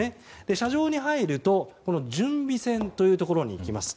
射場に入ると準備線というところに行きます。